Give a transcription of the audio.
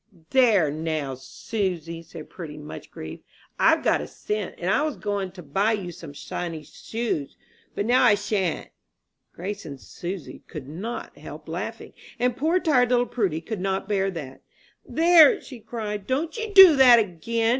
"There, now, Susy," said Prudy, much grieved, "I've got a cent, and I was goin' to buy you some shiny shoes, but now I shan't." Grace and Susy could not help laughing, and poor tired little Prudy could not bear that. "There," cried she, "don't you do that again!